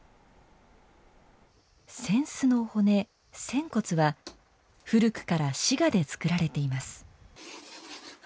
扇子の骨、扇骨は古くから滋賀で作られています。